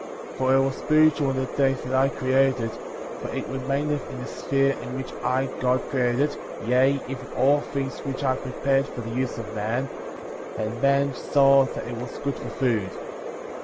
* For it was spiritual in the day that I created it; for it remaineth in the sphere in which I, God, created it, yea, even all things which I prepared for the use of man; and man saw that it was good for food.